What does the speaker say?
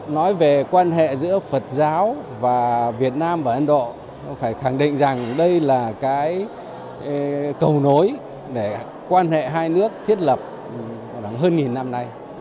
nói về quan hệ giữa phật giáo và việt nam và ấn độ phải khẳng định rằng đây là cái cầu nối để quan hệ hai nước thiết lập hơn nghìn năm nay